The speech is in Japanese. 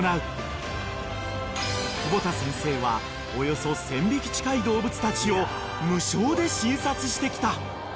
［久保田先生はおよそ１，０００匹近い動物たちを無償で診察してきた］